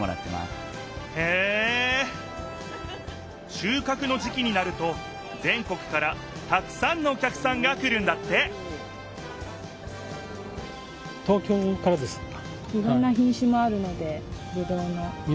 しゅうかくの時期になると全国からたくさんのお客さんが来るんだってほんとだ！